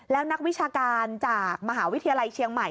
แล้วนักวิชาการจากมหาวิทยาลัยเชียงใหม่